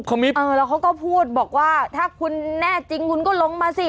เขาก็พูดบอกว่าถ้าคุณแน่จริงก็ลงมาสิ